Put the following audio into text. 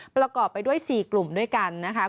ประกอบไปด้วย๔กลุ่มด้วยกันนะคะ